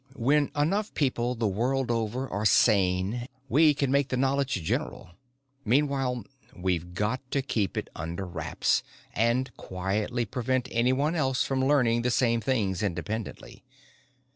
"When enough people the world over are sane we can make the knowledge general. Meanwhile we've got to keep it under wraps and quietly prevent anyone else from learning the same things independently.